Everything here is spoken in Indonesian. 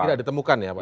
tidak ditemukan ya pak